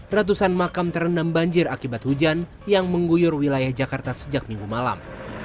ratusan makam terendam banjir akibat hujan yang mengguyur wilayah jakarta sejak minggu malam